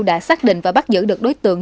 đã xác định và bắt giữ được đối tượng